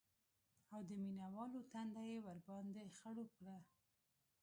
او د مینه والو تنده یې ورباندې خړوب کړه